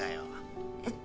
えっ？